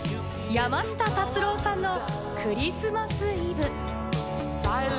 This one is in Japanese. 山下達郎さんの『クリスマス・イブ』。